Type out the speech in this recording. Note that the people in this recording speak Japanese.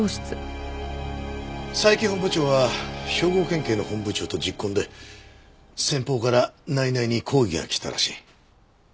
佐伯本部長は兵庫県警の本部長と昵懇で先方から内々に抗議が来たらしい。